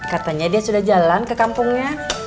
katanya dia sudah jalan ke kampungnya